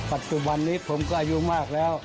ปัจจุบันนี้ผมก็อายุมากแล้ว